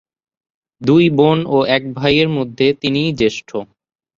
দুই বোন ও এক ভাইয়ের মধ্যে তিনি ই জ্যেষ্ঠ।